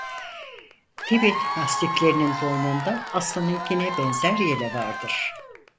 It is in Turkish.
Tibet mastiflerinin boynunda aslanınkine benzer yele vardır.